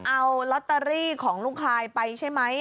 เอาลอตเตอรี่ของลุงคลายไปใช่ไหม